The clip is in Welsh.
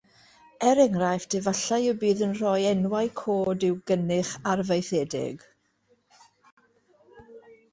Er enghraifft, efallai y bydd yn rhoi enwau cod i'w gynych arfaethedig.